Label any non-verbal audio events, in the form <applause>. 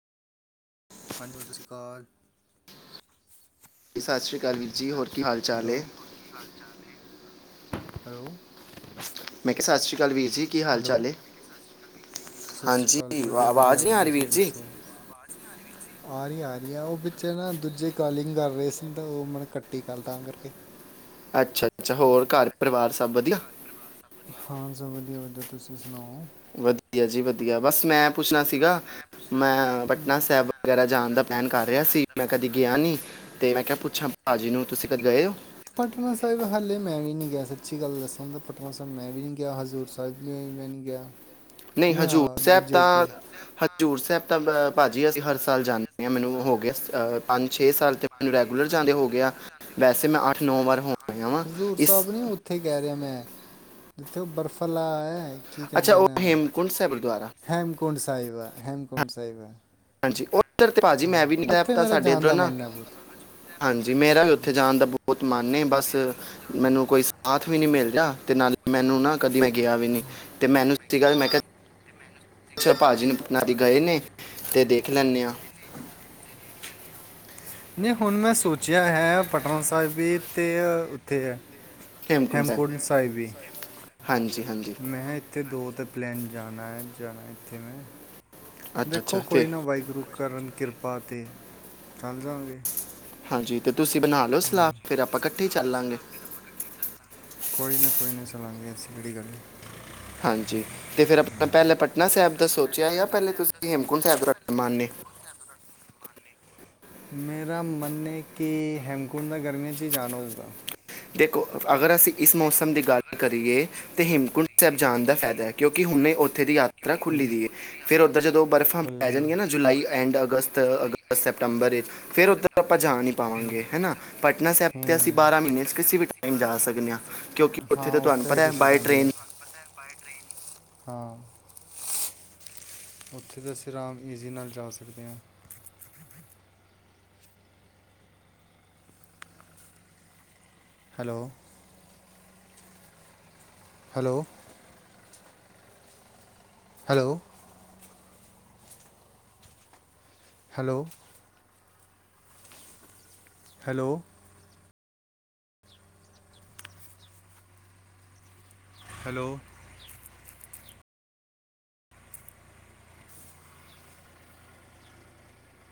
<unintelligible> ਸਤਿ ਸ਼੍ਰੀ ਅਕਾਲ ਵੀਰ ਜੀ ਹੋਰ ਕੀ ਹਾਲ ਚਾਲ ਹੈਲੋ ਏ? ਹੈਲੋ। ਮੈਂ ਕਿਹਾ ਸਤਿ ਸ਼੍ਰੀ ਅਕਾਲ ਵੀਰ ਜੀ ਕੀ ਹਾਲ ਹੈਲੋ ਚਾਲ ਏ? ਸਤਿ ਚਾਲ ਸ਼੍ਰੀ ਹੈ? ਹਾਂਜੀ ਅਕਾਲ ਵਧੀਆ ਵਧੀਆ ਆਵਾਜ਼ ਨੀ ਆ ਰਹੀ ਤੁਸੀਂ ਵੀਰ ਜੀ ਦੱਸੋ ਆ ਰਹੀ ਆ ਰਹੀ ਆ ਉਹ ਪਿਛੇ ਨਾ ਦੂਜੇ ਕਾਲਿੰਗ ਕਰ ਰਹੇ ਸੀ ਤਾਂ ਉਹ ਮਨ ਕੱਟੀ ਕੱਲ ਤਾਂ ਕਰਕੇ ਅੱਛਾ। ਹੋਰ ਘਰ ਪਰਿਵਾਰ ਸਭ ਵਧੀਆ। ਬੋ ਵਧੀਆ ਵਧੀਆ ਤੁਸੀਂ ਸੁਣਾਓ ਵਧੀਆ ਜੀ ਵਧੀਆ ਬਸ ਮੈਂ ਪੁੱਛਣਾ ਸੀਗਾ ਮੈਂ ਪਟਨਾ ਸਾਹਿਬ ਵਗੈਰਾ ਜਾਣ ਦਾ ਪਲਾਨ ਕਰ ਰਿਹਾ ਸੀ ਮੈਂ ਕਦੀ ਗਿਆ ਨਹੀਂ ਤੇ ਮੈਂ ਕਿਹਾ ਪੁੱਛਾਂ ਭਾਜੀ ਨੂੰ ਤੁਸੀਂ ਕਦ ਗਏ ਹੋ ਪਟਨਾ ਸਾਹਿਬ ਹਾਲੇ ਮੈਂ ਵੀ ਨੀ ਗਿਆ ਸੀ। ਅੱਛੀ, ਗੱਲ ਦੱਸਣ ਦਾ ਪਟਨਾ ਸਾਹਿਬ ਮੈਂ ਵੀ ਨੀ ਗਿਆ, ਹਜ਼ੂਰ ਸਾਹਿਬ ਵੀ ਮੈਂ ਨੀ ਗਿਆ। ਨਹੀਂ ਹਜ਼ੂਰ ਸਹਿਬ ਤਾਂ, ਹਜੂਰ ਸਾਹਿਬ ਤਾਂ ਬ- ਭਾਜੀ ਅਸੀਂ ਹਰ ਸਾਲ ਜਾਂਦੇ ਆ ਮੈਨੂੰ ਹੋ ਗਿਆ ਸਾਲ ਤੇ ਮੈਨੂੰ ਰੈਗੂਲਰ ਜਾਂਦੇ ਹੋ ਗਿਆ ਵੈਸੇ ਮੈਂ ਵਾਰ ਹੋ ਆਇਆ ਵਾਂ ਹਜ਼ੂਰ ਇਸ ਸਾਹਿਬ ਨੀ ਉਥੇ ਕਹਿ ਰਿਹਾ ਮੈਂ ਜਿੱਥੇ ਉਹ ਬਰਫ਼ਾ ਆਲਾ ਹੈ। ਕੀ ਅੱਛਾ, ਕਹਿੰਦੇ ਉਹ ਹੇਮਕੁੰਡ ਸਾਹਿਬ ਗੁਰਦੁਆਰਾ ਸਹਿਬ ਹੇਮਕੁੰਟ ਸਹਿਬ ਹਾਂਜੀ, ਉਧਰ ਭਾਜੀ ਮੈਂ ਵੀ ਨ ਮੇਰਾ ਮੈਂ ਸਾਡੇ ਜਾਣ ਦਾ ਇਧਰੋਂ ਦੇਖਿਆ ਨਾ ਮਨ ਹੈ ਬਹੁਤ ਹਾਂਜੀ ਮੇਰਾ ਵੀ ਉੱਥੇ ਜਾਣ ਦਾ ਬਹੁਤ ਮਨੇ ਬਸ ਮੈਨੂੰ ਕੋਈ ਸਾਥ ਵੀ ਨੀ ਮਿਲਦਾ ਤੇ ਨਾਲੇ ਮੈਨੂੰ ਨਾ ਕਦੀ, ਗਿਆ ਵੀ ਨੀ ਤੇ ਮੈਨੂੰ ਕੀ ਗੱਲ ਮੈਂ ਕਿਹਾ, ਪੁਛਿਆ ਭਾਜੀ ਨੂੰ ਪਟਨ ਜੀ ਗਏ ਨੇ ਤੇ ਦੇਖ ਲੈਂਨੇ ਆ, ਨਹੀਂ ਹੁਣ ਮੈਂ ਸੋਚਿਆ ਹੈ, ਪਟਨਾ ਸਾਹਿਬ ਵੀ ਤੇ ਉੱਥੇ ਹੇਮਕੁੰਡ ਸਾਹਿਬ ਹੈਮਕੁੰਡ ਵੀ ਹਾਂਜੀ-ਹਾਂਜੀ, ਤੇ ਮੈਂ ਇੱਥੇ ਦੋ ਉਦੋ ਦਾ ਪਲੇੈਨ ਜਾਣਾ ਐ ਜਾਣਾ ਅੱਛਾ ਦੇਖੋ ਅੱਛਾ ਤੇ ਕੋਈ ਨਾ ਵਾਹਿਗੁਰੂ ਕਰਨ ਕਿਰਪਾ ਪਾ ਤੇ ਚੱਲ ਜਾ ਗੇ। ਹਾਂਜੀ ਤੇ, ਤੁਸੀਂ ਬਣਾ ਲਓ ਹੂੰ, ਸਲਾਹ ਕੋਈ ਫਿਰ ਨਾ ਆਪਾਂ ਤੁਸੀ ਇਕੱਠੇ ਹੀ ਬਣਾ ਲੋ ਚੱਲਾਂਗੇ ਸਲਾ ਫੇਰ ਆਪਾ ਇਕੱਠੇ ਚੱਲਾਗੇ, ਕੋਈ ਨਾ ਕੋ ਨਹੀਂ ਚੱਲਾਂਗੇ ਐਸੀ ਕਿਹੜੀ ਗੱਲ ਹੈ। ਹਾਂਜੀ, ਤੇ ਫਿਰ ਆਪਣਾ ਪਹਿਲਾਂ ਪਟਨਾ ਸਾਹਿਬ ਦਾ ਸੋਚਿਆ ਆ ਪਹਿਲਾ ਤੁਸੀਂ ਹੇਮਕੁੰਟ ਸਾਹਿਬ <unintelligible> ਮੇਰਾ ਮੰਨ ਹੈ ਕਿ ਹੇਮਕੁੰਡ ਦਾ ਗਰਮੀਆਂ ਚ ਹੀ ਜਾਣਾ ਹੋਊਗਾ। ਦੇਖੋ, ਅਗਰ ਅਸੀਂ ਇਸ ਮੌਸਮ ਦੀ ਗੱਲ ਕਰੀਏ ਤਾਂ ਹਿਮਕੁੰਟ ਸਾਹਿਬ ਜਾਨ ਦਾ ਫਾਇਦਾ ਹੈ। ਕਿਉਂਕਿ ਹੁਣੇ ਉੱਥੇ ਦੀ ਯਾਤਰਾ ਖੁੱਲ੍ਹੀ ਦੀ ਹੈ ਫਿਰ ਉੱਧਰ ਜਦੋਂ ਬਰਫ਼ਾਂ ਖੁੱਲ੍ਹੀ ਪੈ ਹੈ। ਜਾਣਗੀਆਂ ਨਾ ਜੁਲਾਈ ਐਂਡ ਅਗਸਤ ਅਗਸਤ ਸੈਪਤੰਬਰ ਵਿੱਚ ਫਿਰ ਉੱਧਰ ਆਪਾਂ ਜਾ ਨਹੀਂ ਪਾਵਾਂਗੇ ਹੈ, ਨਾ ਪਟਨਾ ਸਾਹਿਬ ਹੈ 'ਤੇ ਨਾ ਅਸੀਂ ਹੂੰ। ਬਾਰ੍ਹਾਂ ਮਹੀਨੇ ਅਸੀਂ ਵੀ ਟਾਈਮ ਜਾ ਸਕਣੇ ਆ ਕਿਉਂਕਿ ਉੱਥੇ ਤਾਂ ਤੁਹਾਨੂੰ ਪਤਾ ਹੈ ਬਾਏ ਟਰੇਨ ਬਏ ਟਰੇਨ ਹਾਂ ਉੱਥੇ ਤਾਂ ਅਸੀਂ ਆਰਾਮ ਈਜ਼ੀ ਨਾਲ ਜਾ ਸਕਦੇ ਹਾਂ। Hello, hello, hello, hello, hello, hello,